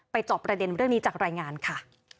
จอบประเด็นเรื่องนี้จากรายงานค่ะ